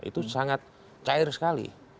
itu sangat cair sekali